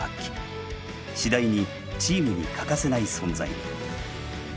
次第にチームに欠かせない存在に。